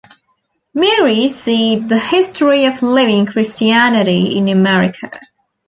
Marie see the History of Living Christianity in America.